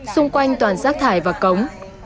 xung quanh toàn rác thải và cống